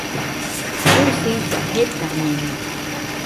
Usisa, jetañeno